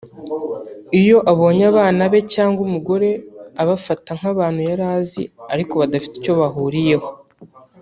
iyo abonye abana be cyangwa umugore abafata nk’abantu yari azi ariko badafite icyo bahuriyeho